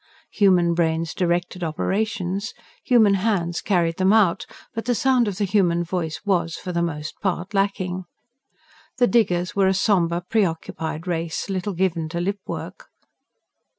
Human brains directed operations, human hands carried them out, but the sound of the human voice was, for the most part, lacking. The diggers were a sombre, preoccupied race, little given to lip work.